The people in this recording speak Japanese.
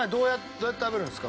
どうやって食べるんですか？